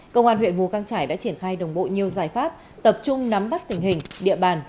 công an huyện mù căng trải đã triển khai đồng bộ nhiều giải pháp tập trung nắm bắt tình hình địa bàn